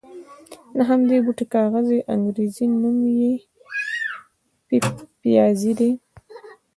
د همدې بوټي کاغذ چې انګرېزي نوم یې پپیازي دی.